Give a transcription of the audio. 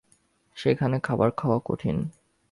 সেখানে খাবার খাওয়া কঠিন।